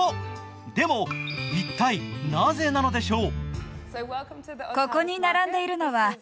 でも、一体なぜなのでしょう。